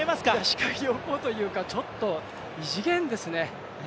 視界良好というか、ちょっと異次元ですね。